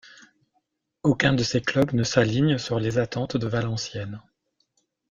Aucun de ces clubs ne s'aligne sur les attentes de Valenciennes.